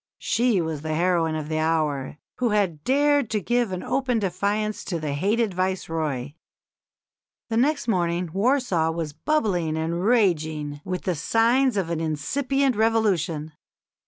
She was the heroine of the hour, who had dared to give open defiance to the hated Viceroy. The next morning Warsaw was "bubbling and raging with the signs of an incipient revolution.